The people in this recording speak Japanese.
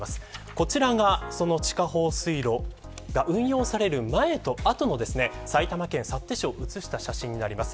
こちらがその地下放水路の運用される前と後の埼玉県幸手市を写した写真です。